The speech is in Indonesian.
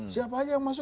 siapa aja yang masuk